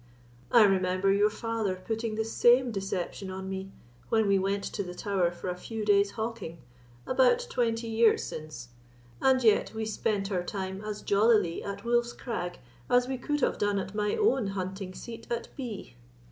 I remember your father putting the same deception on me, when we went to the Tower for a few days' hawking, about twenty years since, and yet we spent our time as jollily at Wolf's Crag as we could have done at my own hunting seat at B——."